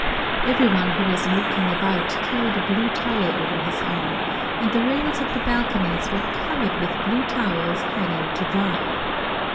Every one who was walking about carried a blue towel over his arm, and the rails of the balconies were covered with blue towels hanging to dry.